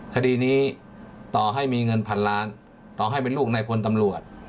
คดีนี้ต่อให้มีเงินพันล้านต่อให้เป็นลูกในพลตำรวจ